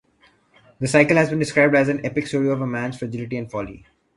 The cycle has been described as "an epic story of man's fragility and folly".